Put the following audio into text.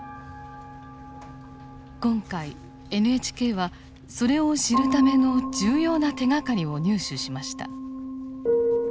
今回ＮＨＫはそれを知るための重要な手がかりを入手しました。